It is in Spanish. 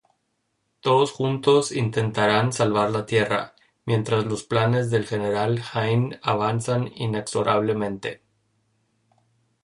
Todos juntos intentarán salvar la Tierra, mientras los planes del General Hein avanzan inexorablemente.